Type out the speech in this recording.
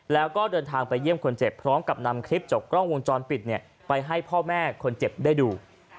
แล้วก็เดินทางไปเยี่ยมคนเจ็บพร้อมกับนำคลิปจากกล้องวงจรปิดไปให้พ่อแม่คนเจ็บได้ดู